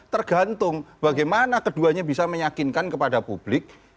tergantung bagaimana keduanya bisa meyakinkan kepada publik